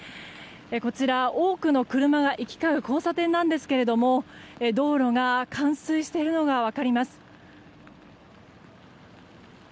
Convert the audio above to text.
こちら、多くの車が行き交う交差点なんですが道路が冠水しているのが分かります。